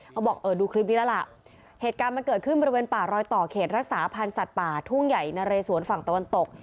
บอกเออดูคลิปนี้แล้วล่ะเหตุการณ์มันเกิดขึ้นบริเวณป่ารอยต่อเขตรักษาพันธ์สัตว์ป่าทุ่งใหญ่นะเรสวนฝั่งตะวันตก